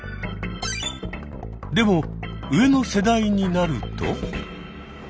でも上の世代になると。